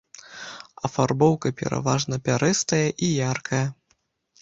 Афарбоўка пераважна пярэстая і яркая.